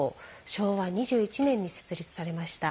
昭和２１年に設立されました。